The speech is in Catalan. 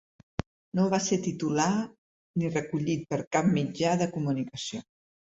No va ser titular ni recollit per cap mitjà de comunicació.